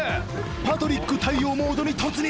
パトリック対応モードに突入！